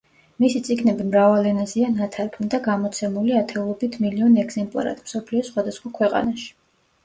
მისი წიგნები მრავალ ენაზეა ნათარგმნი და გამოცემული ათეულობით მილიონ ეგზემპლარად მსოფლიოს სხვადასხვა ქვეყანაში.